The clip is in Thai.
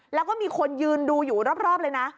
แล้วก็มีคนยืนดูอยู่รอบเลยนะ